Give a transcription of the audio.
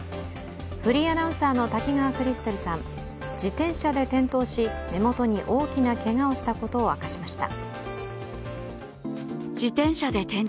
フリーアナウンサーの滝川クリステルさん、自転車で転倒し目元に大きなけがをしたことを明かしました。